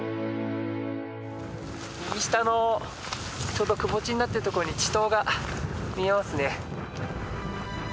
右下のちょうどくぼ地になっているとこに池塘が見えますね。